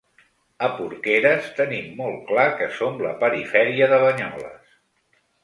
A Porqueres tenim molt clar que som la perifèria de Banyoles.